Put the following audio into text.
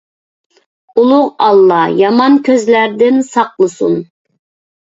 ئۇلۇغ ئاللاھ يامان كۆزلەردىن ساقلىسۇن!